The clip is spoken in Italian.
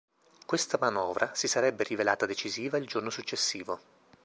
Questa manovra si sarebbe rivelata decisiva il giorno successivo.